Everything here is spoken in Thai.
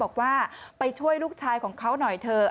บอกว่าไปช่วยลูกชายของเขาหน่อยเถอะ